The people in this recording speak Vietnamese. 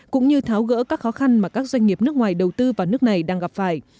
cũng như tháo gỡ các khó khăn mà các doanh nghiệp nước ngoài đầu tư vào nước này đang gặp phải